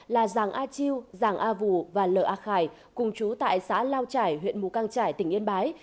là giàng a chiêu giàng a vũ và lỡ a khải cùng chú tại xã lao trải huyện mù căng trải tỉnh yên bái